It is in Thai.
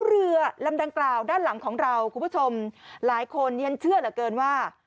เรือลำดังกล่าวด้านหลังของเราคุณผู้ชมหลายคนฉันเชื่อเหลือเกินว่า